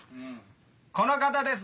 この方です！